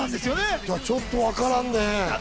ちょっとわからないね。